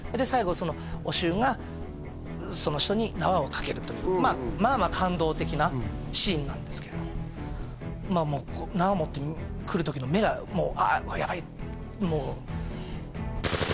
そのおしゅうがその人に縄をかけるというまあまあ感動的なシーンなんですけれどまあもう縄持ってくる時の目がもう「あっこれヤバい」